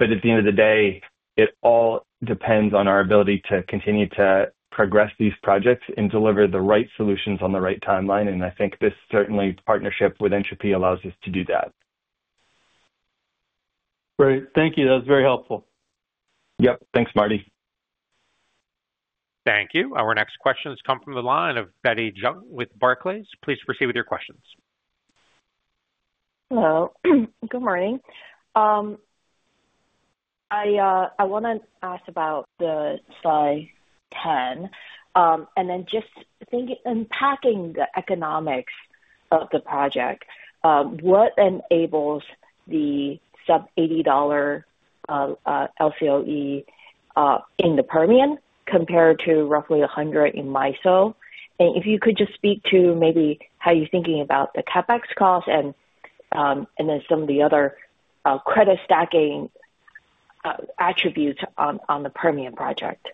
At the end of the day, it all depends on our ability to continue to progress these projects and deliver the right solutions on the right timeline. I think this certainly partnership with Entropy allows us to do that. Great. Thank you. That was very helpful. Yep. Thanks, Marty. Thank you. Our next questions come from the line of Betty Jung with Barclays. Please proceed with your questions. Hello. Good morning. I want to ask about the Slide 10 and then just unpacking the economics of the project. What enables the sub-$80 LCOE in the Permian compared to roughly $100 in MISO? If you could just speak to maybe how you're thinking about the CapEx cost and then some of the other credit stacking attributes on the Permian project.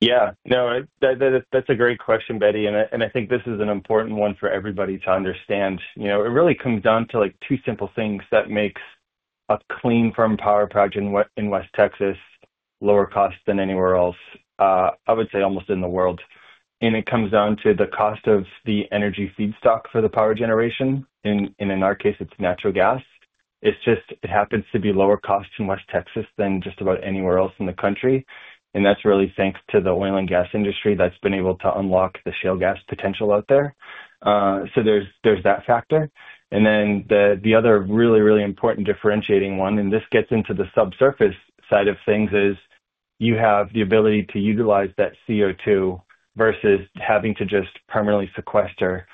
Yeah. No, that's a great question, Betty. I think this is an important one for everybody to understand. It really comes down to two simple things that make a clean from power project in West Texas lower cost than anywhere else, I would say almost in the world. It comes down to the cost of the energy feedstock for the power generation. In our case, it's natural gas. It just happens to be lower cost in West Texas than just about anywhere else in the country. That is really thanks to the oil and gas industry that has been able to unlock the shale gas potential out there. There is that factor. The other really, really important differentiating one, and this gets into the subsurface side of things, is you have the ability to utilize that CO2 versus having to just permanently sequester.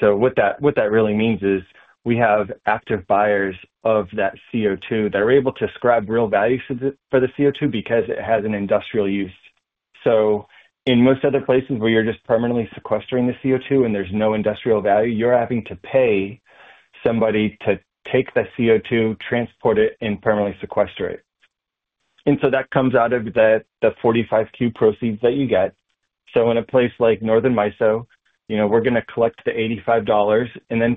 What that really means is we have active buyers of that CO2 that are able to scrub real value for the CO2 because it has an industrial use. In most other places where you are just permanently sequestering the CO2 and there is no industrial value, you are having to pay somebody to take the CO2, transport it, and permanently sequester it. That comes out of the 45Q proceeds that you get. In a place like Northern MISO, we are going to collect the $85.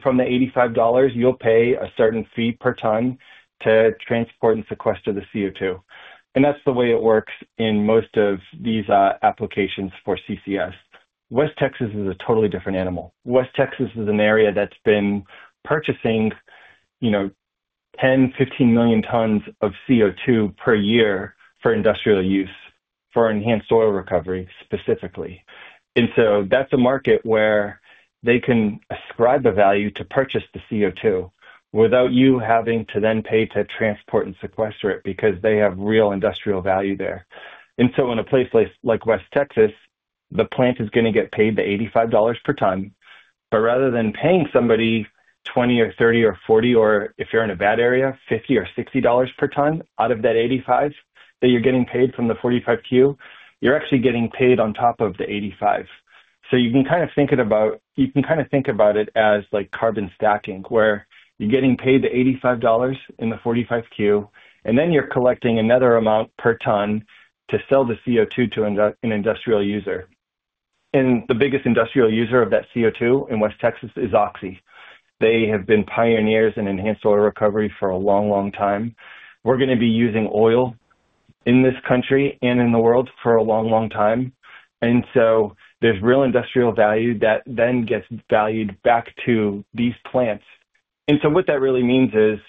From the $85, you'll pay a certain fee per ton to transport and sequester the CO2. That's the way it works in most of these applications for CCS. West Texas is a totally different animal. West Texas is an area that's been purchasing 10-15 million tons of CO2 per year for industrial use for enhanced oil recovery specifically. That's a market where they can ascribe the value to purchase the CO2 without you having to then pay to transport and sequester it because they have real industrial value there. In a place like West Texas, the plant is going to get paid the $85 per ton. Rather than paying somebody $20 or $30 or $40, or if you are in a bad area, $50 or $60 per ton out of that $85 that you are getting paid from the 45Q, you are actually getting paid on top of the $85. You can kind of think about it as carbon stacking where you are getting paid the $85 in the 45Q, and then you are collecting another amount per ton to sell the CO2 to an industrial user. The biggest industrial user of that CO2 in West Texas is Oxy. They have been pioneers in enhanced oil recovery for a long, long time. We are going to be using oil in this country and in the world for a long, long time. There is real industrial value that then gets valued back to these plants. What that really means is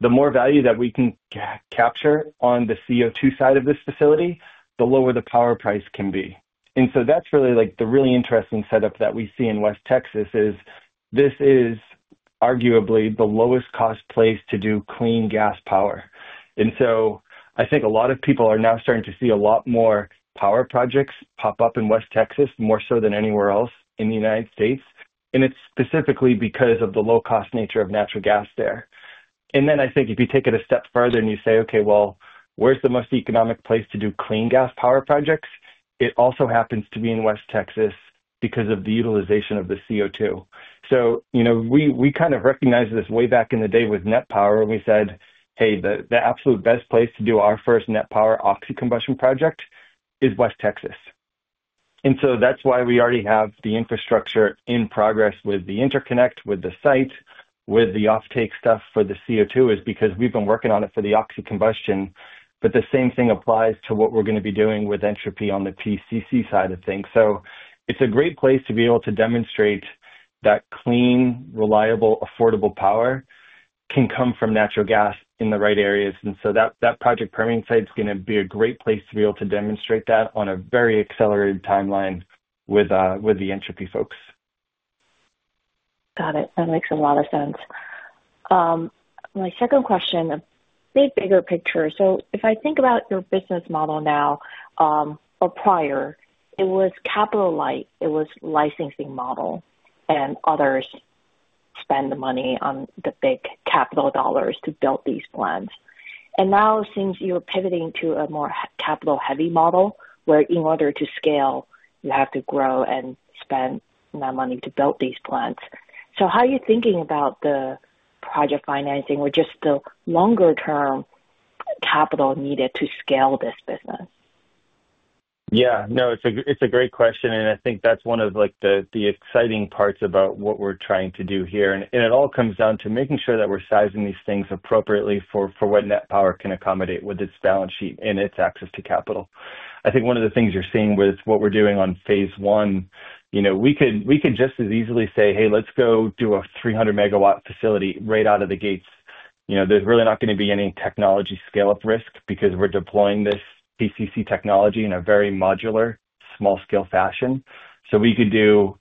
the more value that we can capture on the CO2 side of this facility, the lower the power price can be. That is the really interesting setup that we see in West Texas. This is arguably the lowest cost place to do clean gas power. I think a lot of people are now starting to see a lot more power projects pop up in West Texas, more so than anywhere else in the United States. It is specifically because of the low-cost nature of natural gas there. If you take it a step further and you say, "Okay, where is the most economic place to do clean gas power projects?" it also happens to be in West Texas because of the utilization of the CO2. We kind of recognized this way back in the day with NET Power, and we said, "Hey, the absolute best place to do our first NET Power oxycombustion project is West Texas." That is why we already have the infrastructure in progress with the interconnect, with the site, with the offtake stuff for the CO2, because we have been working on it for the oxycombustion. The same thing applies to what we are going to be doing with Entropy on the PCC side of things. It is a great place to be able to demonstrate that clean, reliable, affordable power can come from natural gas in the right areas. That Project Permian site is going to be a great place to be able to demonstrate that on a very accelerated timeline with the Entropy folks. Got it. That makes a lot of sense. My second question, a bit bigger picture. If I think about your business model now or prior, it was capital light. It was a licensing model, and others spend the money on the big capital dollars to build these plants. Now it seems you're pivoting to a more capital-heavy model where in order to scale, you have to grow and spend that money to build these plants. How are you thinking about the project financing or just the longer-term capital needed to scale this business? Yeah. No, it's a great question. I think that's one of the exciting parts about what we're trying to do here. It all comes down to making sure that we're sizing these things appropriately for what NET Power can accommodate with its balance sheet and its access to capital. I think one of the things you're seeing with what we're doing on phase one, we could just as easily say, "Hey, let's go do a 300-MW facility right out of the gates." There's really not going to be any technology scale-up risk because we're deploying this PCC technology in a very modular, small-scale fashion. We could do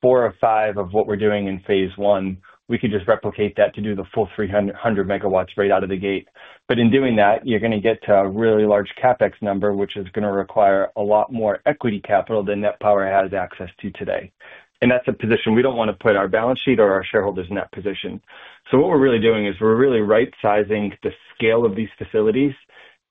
four or five of what we're doing in phase one. We could just replicate that to do the full 300 MW right out of the gate. In doing that, you're going to get to a really large CapEx number, which is going to require a lot more equity capital than NET Power has access to today. That's a position we don't want to put our balance sheet or our shareholders in that position. What we're really doing is we're really right-sizing the scale of these facilities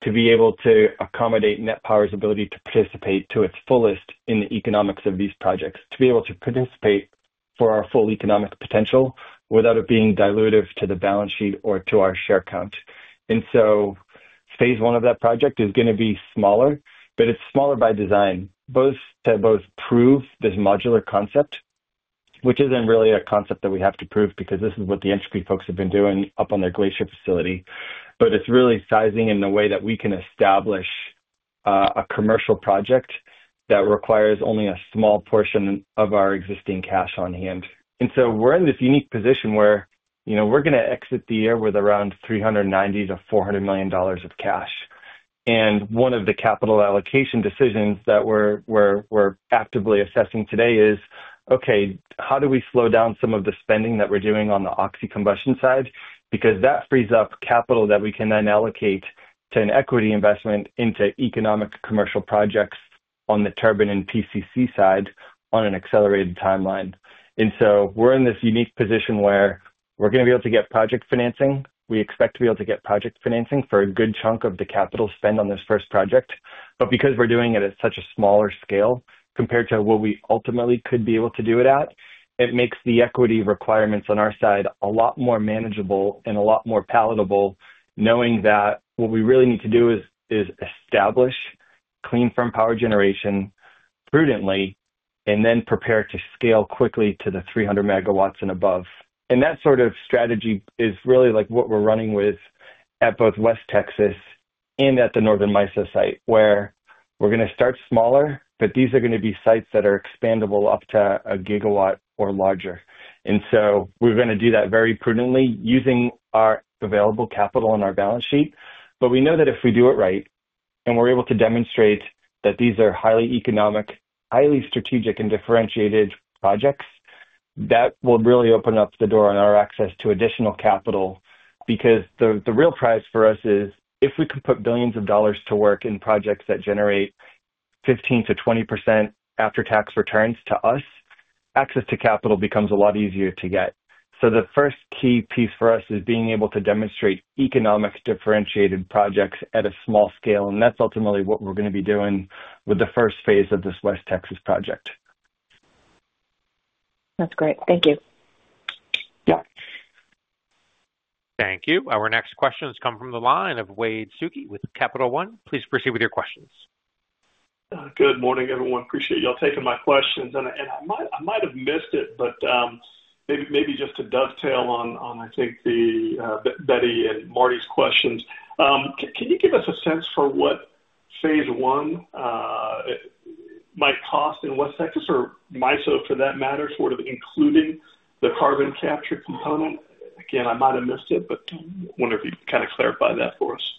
to be able to accommodate NET Power's ability to participate to its fullest in the economics of these projects, to be able to participate for our full economic potential without it being dilutive to the balance sheet or to our share count. Phase one of that project is going to be smaller, but it's smaller by design, both to prove this modular concept, which isn't really a concept that we have to prove because this is what the Entropy folks have been doing up on their Glacier facility. It's really sizing in the way that we can establish a commercial project that requires only a small portion of our existing cash on hand. We're in this unique position where we're going to exit the year with around $390 million-$400 million of cash. One of the capital allocation decisions that we're actively assessing today is, "Okay, how do we slow down some of the spending that we're doing on the oxycombustion side?" That frees up capital that we can then allocate to an equity investment into economic commercial projects on the turbine and PCC side on an accelerated timeline. We're in this unique position where we're going to be able to get project financing. We expect to be able to get project financing for a good chunk of the capital spent on this first project. Because we're doing it at such a smaller scale compared to what we ultimately could be able to do it at, it makes the equity requirements on our side a lot more manageable and a lot more palatable, knowing that what we really need to do is establish clean firm power generation prudently and then prepare to scale quickly to the 300 MW and above. That sort of strategy is really what we're running with at both West Texas and at the Northern MISO site, where we're going to start smaller, but these are going to be sites that are expandable up to a GW or larger. We're going to do that very prudently using our available capital on our balance sheet. We know that if we do it right and we're able to demonstrate that these are highly economic, highly strategic, and differentiated projects, that will really open up the door on our access to additional capital because the real prize for us is if we can put billions of dollars to work in projects that generate 15%-20% after-tax returns to us, access to capital becomes a lot easier to get. The first key piece for us is being able to demonstrate economic differentiated projects at a small scale. That's ultimately what we're going to be doing with the first phase of this West Texas project. That's great. Thank you. Yeah. Thank you. Our next questions come from the line of Wade Suki with Capital One. Please proceed with your questions. Good morning, everyone. Appreciate y'all taking my questions. I might have missed it, but maybe just to dovetail on, I think, Betty and Marty's questions, can you give us a sense for what phase one might cost in West Texas or MISO, for that matter, sort of including the carbon capture component? Again, I might have missed it, but I wonder if you'd kind of clarify that for us.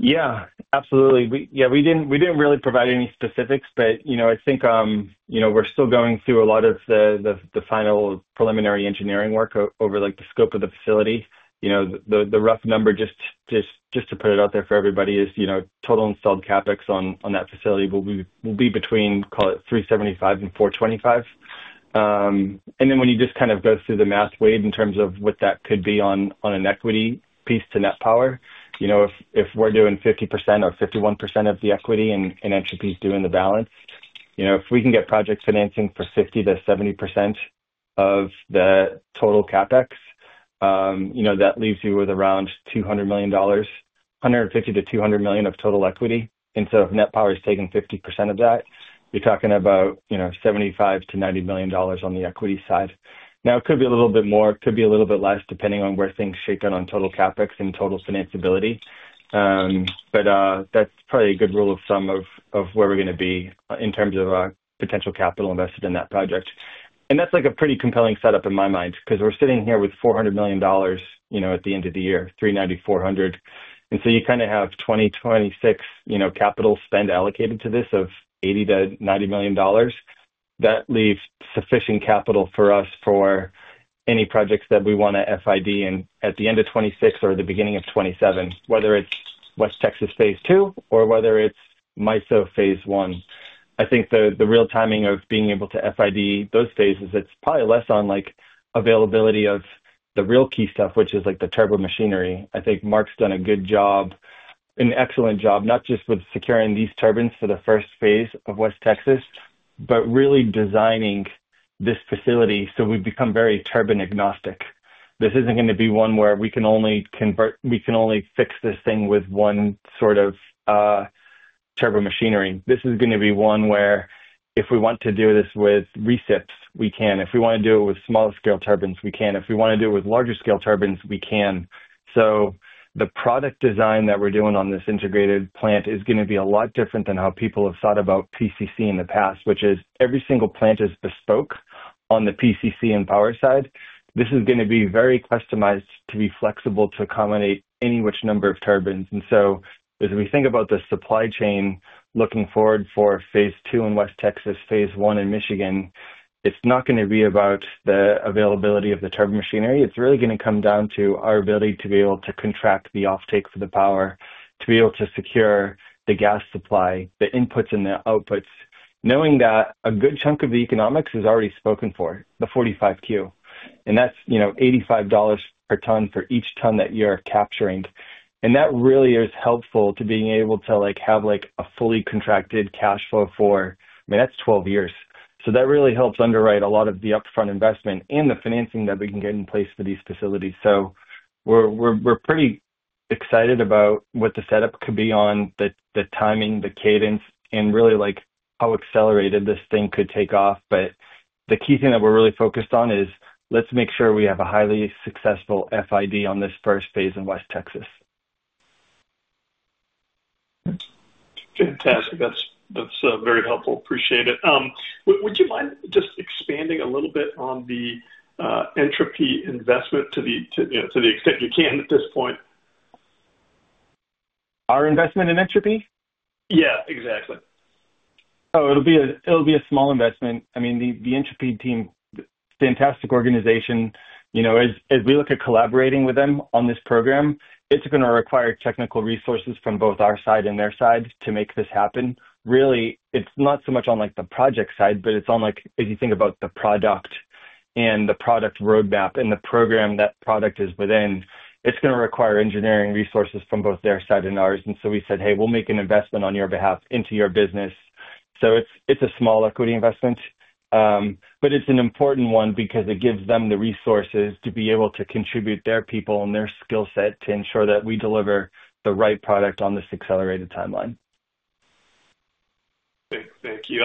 Yeah. Absolutely. Yeah. We didn't really provide any specifics, but I think we're still going through a lot of the final preliminary engineering work over the scope of the facility. The rough number, just to put it out there for everybody, is total installed CapEx on that facility will be between, call it, $375 million-$425 million. When you just kind of go through the math, Wade, in terms of what that could be on an equity piece to NET Power, if we're doing 50% or 51% of the equity and Entropy is doing the balance, if we can get project financing for 50%-70% of the total CapEx, that leaves you with around $200 million, $150 million-$200 million of total equity. If NET Power is taking 50% of that, you're talking about $75 million-$90 million on the equity side. Now, it could be a little bit more. It could be a little bit less, depending on where things shake out on total CapEx and total financeability. That's probably a good rule of thumb of where we're going to be in terms of potential capital invested in that project. That's a pretty compelling setup in my mind because we're sitting here with $400 million at the end of the year, $390 million-$400 million. You kind of have 2026 capital spend allocated to this of $80 million-$90 million. That leaves sufficient capital for us for any projects that we want to FID at the end of 2026 or the beginning of 2027, whether it's West Texas phase two or whether it's MISO phase one. I think the real timing of being able to FID those phases, it's probably less on availability of the real key stuff, which is the turbo machinery. I think Marc's done a good job, an excellent job, not just with securing these turbines for the first phase of West Texas, but really designing this facility so we become very turbine agnostic. This isn't going to be one where we can only fix this thing with one sort of turbo machinery. This is going to be one where if we want to do this with recipes, we can. If we want to do it with small-scale turbines, we can. If we want to do it with larger-scale turbines, we can. The product design that we're doing on this integrated plant is going to be a lot different than how people have thought about PCC in the past, which is every single plant is bespoke on the PCC and power side. This is going to be very customized to be flexible to accommodate any which number of turbines. As we think about the supply chain looking forward for phase two in West Texas, phase one in Michigan, it's not going to be about the availability of the turbo machinery. It's really going to come down to our ability to be able to contract the off-take for the power, to be able to secure the gas supply, the inputs, and the outputs, knowing that a good chunk of the economics is already spoken for, the 45Q. That's $85 per ton for each ton that you're capturing. That really is helpful to being able to have a fully contracted cash flow for, I mean, that's 12 years. That really helps underwrite a lot of the upfront investment and the financing that we can get in place for these facilities. We're pretty excited about what the setup could be on, the timing, the cadence, and really how accelerated this thing could take off. The key thing that we're really focused on is let's make sure we have a highly successful FID on this first phase in West Texas. Fantastic. That's very helpful. Appreciate it. Would you mind just expanding a little bit on the Entropy investment to the extent you can at this point? Our investment in Entropy? Yeah, exactly. Oh, it'll be a small investment. I mean, the Entropy team, fantastic organization. As we look at collaborating with them on this program, it's going to require technical resources from both our side and their side to make this happen. Really, it's not so much on the project side, but it's on, as you think about the product and the product roadmap and the program that product is within, it's going to require engineering resources from both their side and ours. We said, "Hey, we'll make an investment on your behalf into your business." It is a small equity investment, but it is an important one because it gives them the resources to be able to contribute their people and their skill set to ensure that we deliver the right product on this accelerated timeline. Thank you.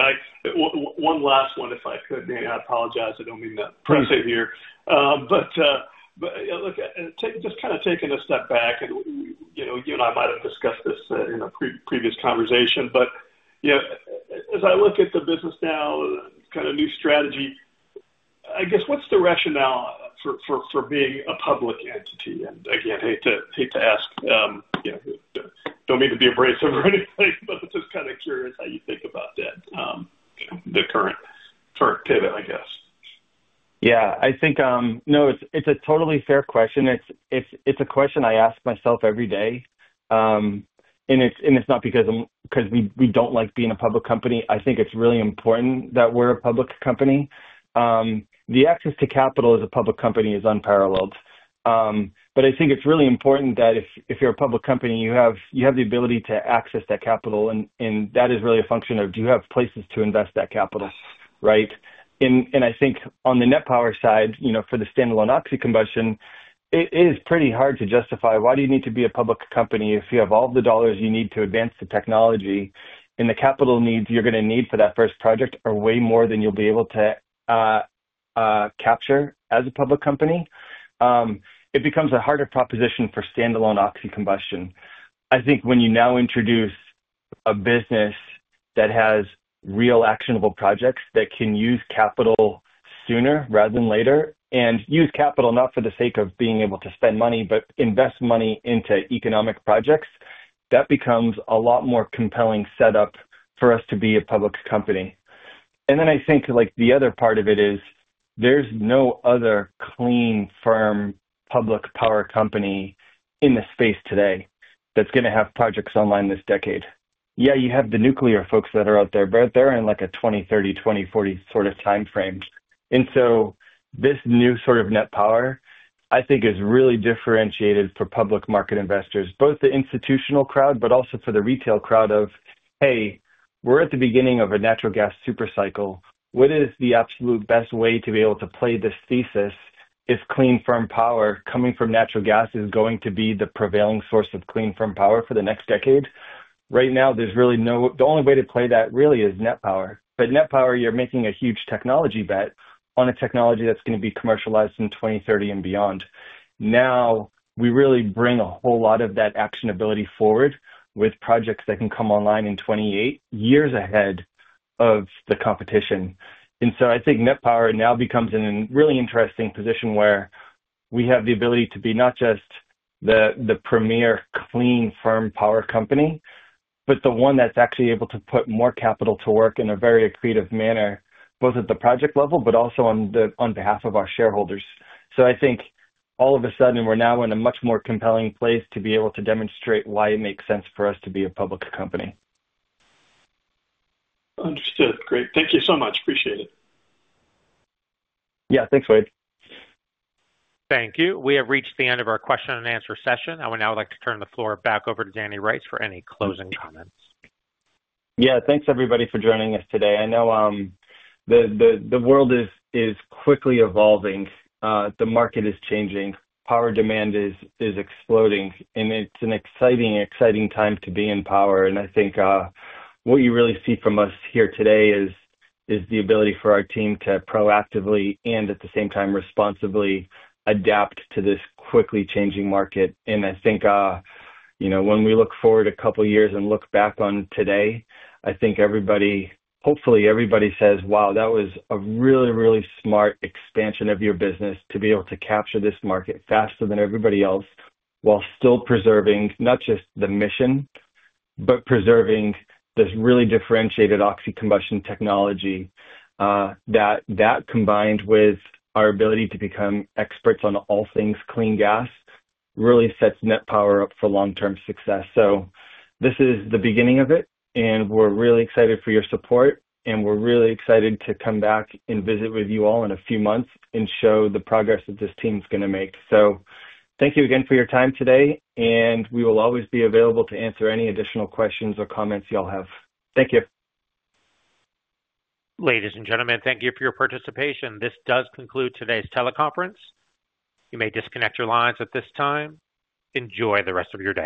One last one, if I could. I apologize. I do not mean to press it here. Just kind of taking a step back, and you and I might have discussed this in a previous conversation, but as I look at the business now, kind of new strategy, I guess, what is the rationale for being a public entity? Again, hate to ask. Do not mean to be abrasive or anything, but I am just kind of curious how you think about that, the current pivot, I guess. Yeah. I think, no, it's a totally fair question. It's a question I ask myself every day. It's not because we don't like being a public company. I think it's really important that we're a public company. The access to capital as a public company is unparalleled. I think it's really important that if you're a public company, you have the ability to access that capital. That is really a function of do you have places to invest that capital, right? I think on the NET Power side, for the standalone oxycombustion, it is pretty hard to justify why do you need to be a public company if you have all of the dollars you need to advance the technology and the capital needs you're going to need for that first project are way more than you'll be able to capture as a public company. It becomes a harder proposition for standalone oxycombustion. I think when you now introduce a business that has real actionable projects that can use capital sooner rather than later and use capital not for the sake of being able to spend money, but invest money into economic projects, that becomes a lot more compelling setup for us to be a public company. I think the other part of it is there is no other clean, firm, public power company in the space today that is going to have projects online this decade. Yeah, you have the nuclear folks that are out there, but they are in a 2030, 2040 sort of time frame. This new sort of NET Power, I think, is really differentiated for public market investors, both the institutional crowd, but also for the retail crowd of, "Hey, we're at the beginning of a natural gas supercycle. What is the absolute best way to be able to play this thesis if clean, firm power coming from natural gas is going to be the prevailing source of clean, firm power for the next decade?" Right now, there's really no—the only way to play that really is NET Power. NET Power, you're making a huge technology bet on a technology that's going to be commercialized in 2030 and beyond. Now, we really bring a whole lot of that actionability forward with projects that can come online in 2028, years ahead of the competition. I think NET Power now becomes in a really interesting position where we have the ability to be not just the premier clean, firm power company, but the one that's actually able to put more capital to work in a very creative manner, both at the project level, but also on behalf of our shareholders. I think all of a sudden, we're now in a much more compelling place to be able to demonstrate why it makes sense for us to be a public company. Understood. Great. Thank you so much. Appreciate it. Yeah. Thanks, Wade. Thank you. We have reached the end of our question and answer session. I would now like to turn the floor back over to Danny Rice for any closing comments. Yeah. Thanks, everybody, for joining us today. I know the world is quickly evolving. The market is changing. Power demand is exploding. It is an exciting, exciting time to be in power. I think what you really see from us here today is the ability for our team to proactively and, at the same time, responsibly adapt to this quickly changing market. I think when we look forward a couple of years and look back on today, I think hopefully everybody says, "Wow, that was a really, really smart expansion of your business to be able to capture this market faster than everybody else while still preserving not just the mission, but preserving this really differentiated oxycombustion technology that, combined with our ability to become experts on all things clean gas, really sets NET Power up for long-term success." This is the beginning of it. We are really excited for your support. We are really excited to come back and visit with you all in a few months and show the progress that this team is going to make. Thank you again for your time today. We will always be available to answer any additional questions or comments you all have. Thank you. Ladies and gentlemen, thank you for your participation. This does conclude today's teleconference. You may disconnect your lines at this time. Enjoy the rest of your day.